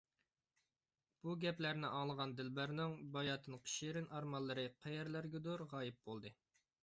بۇ گەپلەرنى ئاڭلىغان دىلبەرنىڭ باياتىنقى شېرىن ئارمانلىرى قەيەرلەرگىدۇر غايىب بولدى.